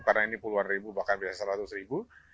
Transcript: karena ini puluhan ribu bahkan bisa seratus ribu